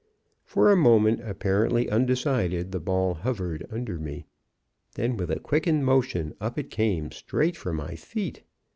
"For a moment, apparently undecided, the ball hovered under me. Then with a quickened motion, up it came, straight for my feet.